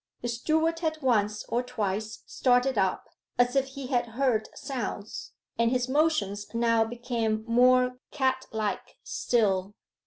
The steward had once or twice started up, as if he had heard sounds, and his motions now became more cat like still.